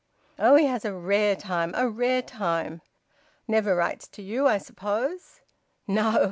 Oh! He has a rare time a rare time. Never writes to you, I suppose?" "No."